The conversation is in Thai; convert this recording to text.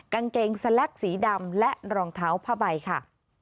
กางเกงสแล็กสีดำและรองเท้าผ้าใบค่ะ